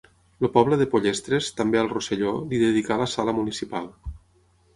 El poble de Pollestres, també al Rosselló, li dedicà la Sala Municipal.